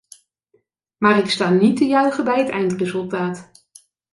Maar ik sta niet te juichen bij het eindresultaat.